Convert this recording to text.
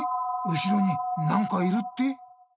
後ろになんかいるって？